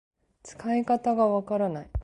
使い方がわからない